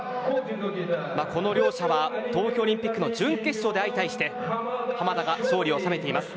この両者は東京オリンピックの準決勝で相対して濱田が勝利を収めています。